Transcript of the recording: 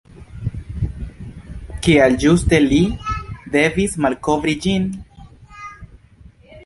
Kial ĝuste li devis malkovri ĝin?